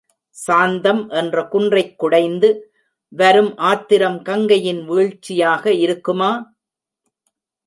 சாந்தம் என்ற குன்றைக் குடைந்து வரும் ஆத்திரம் கங்கையின் வீழ்ச்சியாக இருக்குமா?